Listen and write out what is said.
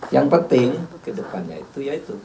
yang penting kedepannya itu yaitu